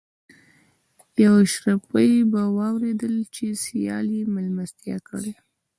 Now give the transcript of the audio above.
یو اشرافي به واورېدل چې سیال یې مېلمستیا کړې.